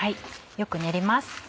よく練ります。